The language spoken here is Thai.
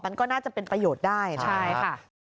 มันก็น่าจะเป็นประโยชน์ได้นะใช่ค่ะ